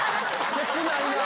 切ないな。